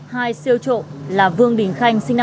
hai siêu trộm là vương đình khanh